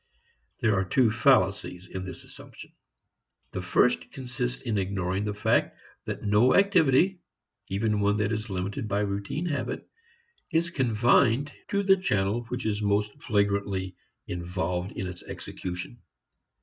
There are two fallacies in this assumption. The first consists in ignoring the fact that no activity (even one that is limited by routine habit) is confined to the channel which is most flagrantly involved in its execution.